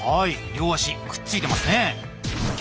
両足くっついてますね。